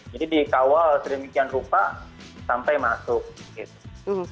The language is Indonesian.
jadi dikawal sedemikian rupa sampai masuk gitu